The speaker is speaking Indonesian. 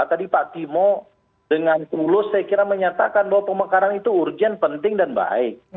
tadi pak timo dengan tulus saya kira menyatakan bahwa pemekaran itu urgent penting dan baik